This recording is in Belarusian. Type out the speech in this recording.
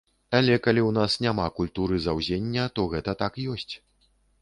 Але калі ў нас няма культуры заўзення, то гэта так ёсць.